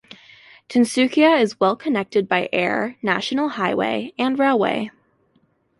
Tinsukia is well connected by air, national highway and railway.